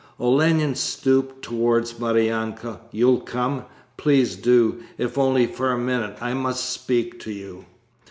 Olenin stooped towards Maryanka. 'You'll come? Please do, if only for a minute. I must speak to you.'